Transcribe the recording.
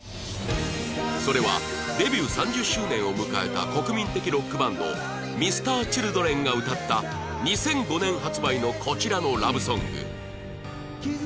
それはデビュー３０周年を迎えた国民的ロックバンド Ｍｒ．Ｃｈｉｌｄｒｅｎ が歌った２００５年発売のこちらのラブソング